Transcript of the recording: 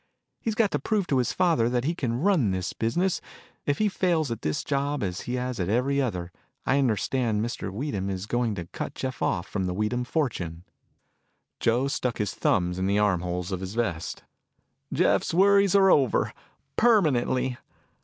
He's got to prove to his father that he can run this business. If he fails at this job as he has at every other, I understand Mr. Weedham is going to cut Jeff off from the Weedham fortune." Joe stuck his thumbs in the arm holes of his vest. "Jeff's worries are over, permanently.